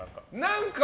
何か。